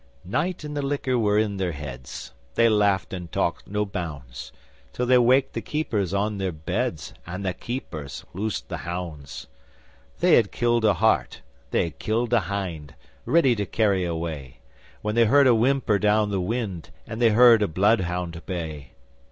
Night and the liquor was in their heads They laughed and talked no bounds, Till they waked the keepers on their beds, And the keepers loosed the hounds. They had killed a hart, they had killed a hind, Ready to carry away, When they heard a whimper down the wind And they heard a bloodhound bay.